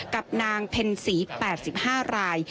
กับนางเพ็ญศรี๘๕ราย